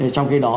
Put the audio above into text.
trong khi đó